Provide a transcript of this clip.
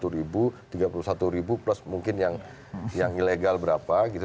satu ribu tiga puluh satu ribu plus mungkin yang ilegal berapa gitu